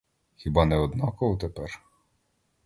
Хіба не однаково тепер?